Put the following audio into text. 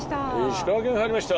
石川県入りました